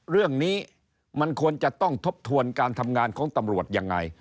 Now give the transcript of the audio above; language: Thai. เรื่องนี้มันควรจะต้องทบทวนการทำงานของตำรวจยังไง